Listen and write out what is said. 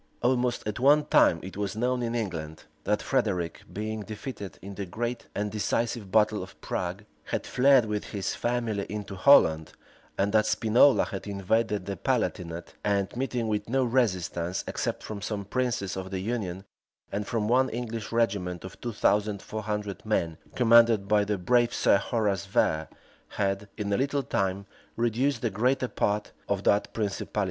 Almost at one time it was known in England, that Frederic, being defeated in the great and decisive battle of Prague, had fled with his family into Holland, and that Spinola had invaded the Palatinate, and, meeting with no resistance, except from some princes of the union, and from one English regiment of two thousand four hundred men, commanded by the brave Sir Horace Vere,[] had, in a little time, reduced the greater part of that principality.